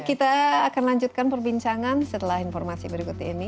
kita akan lanjutkan perbincangan setelah informasi berikut ini